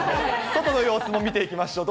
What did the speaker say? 外の様子も見ていきましょう。